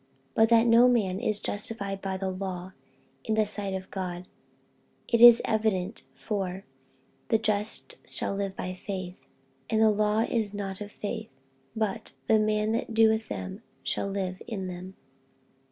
48:003:011 But that no man is justified by the law in the sight of God, it is evident: for, The just shall live by faith. 48:003:012 And the law is not of faith: but, The man that doeth them shall live in them.